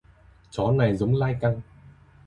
Chó này giống lai căng